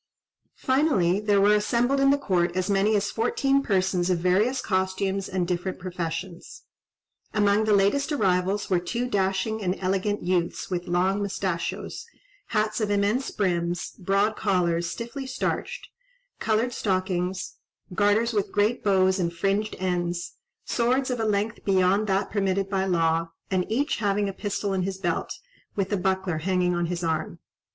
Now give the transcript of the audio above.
Finally there were assembled in the court as many as fourteen persons of various costumes and different professions. Among the latest arrivals were two dashing and elegant youths with long moustachios, hats of immense brims, broad collars, stiffly starched, coloured stockings, garters with great bows and fringed ends, swords of a length beyond that permitted by law, and each having a pistol in his belt, with a buckler hanging on his arm.